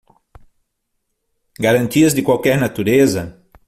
Garantias de qualquer natureza?